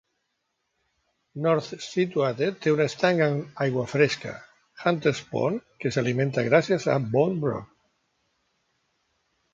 North Scituate té un estanc amb aigua fresca, Hunter's Pond, que s'alimenta gràcies a Bound Brook.